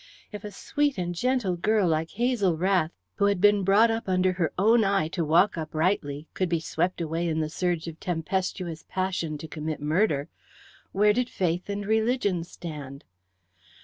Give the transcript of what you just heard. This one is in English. If a sweet and gentle girl like Hazel Rath, who had been brought up under her own eye to walk uprightly, could be swept away in the surge of tempestuous passion to commit murder, where did Faith and Religion stand?